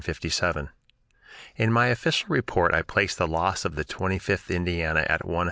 In my official report I placed the loss of the Twenty fifth Indiana at 149.